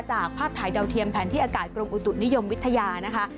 ภาพถ่ายดาวเทียมแผนที่อากาศกรมอุตุนิยมวิทยานะคะ